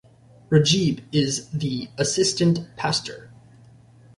Rajib is the assistant pastor.